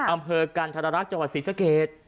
อำเภอกรรณฑรรดารักษ์จังหวัดศรีสเกษ